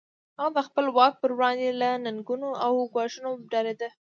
هغه د خپل واک پر وړاندې له ننګونو او ګواښونو ډارېده.